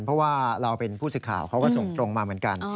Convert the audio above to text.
เพราะว่าเราเป็นผู้สื่อข่าวเขาก็ส่งตรงมาเหมือนกัน